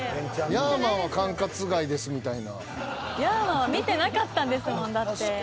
「ヤーマン」は見てなかったんですもんだって。